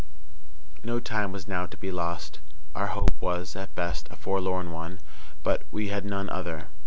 No time was now to be lost. Our hope was, at best, a forlorn one, but we had none other.